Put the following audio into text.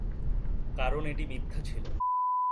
কারণ এটি মিথ্যা ছিল।